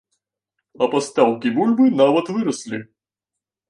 А пастаўкі бульбы нават выраслі.